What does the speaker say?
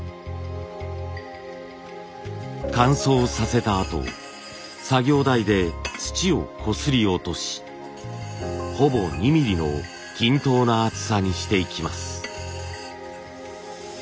乾燥させたあと作業台で土をこすり落としほぼ２ミリの均等な厚さにしていきます。